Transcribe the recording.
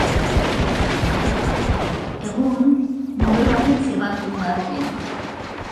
Egun modelo agentzia bat du Madrilen.